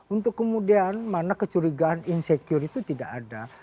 untuk kemudian mana kecurigaan insecure itu tidak ada